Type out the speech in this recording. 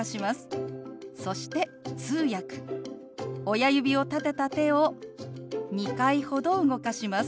親指を立てた手を２回ほど動かします。